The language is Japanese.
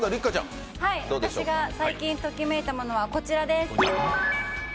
私が最近ときめいたものはこちらです。